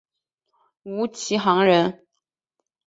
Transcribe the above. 吴其沆人。